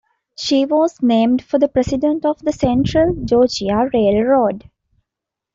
She was named for the president of the Central Georgia Railroad.